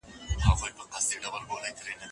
ورور مې مېړه، او مور مې خواښې وای عالمه